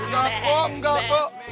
cakup gak tuh